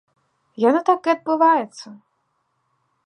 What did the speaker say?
Яно так і адбываецца.